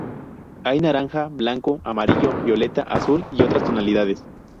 Hay naranja, blanco, amarillo, violeta, azul y otras tonalidades.